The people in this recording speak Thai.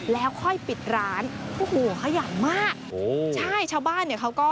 แล้วค่อยปิดร้าน